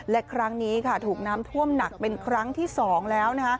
และครั้งนี้ถูกน้ำท่วมหนักเป็นครั้งที่๒แล้ว